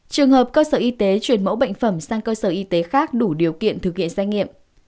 trường hợp cơ sở y tế chuyển mẫu bệnh phẩm sang cơ sở y tế khác đủ điều kiện thực hiện xét nghiệm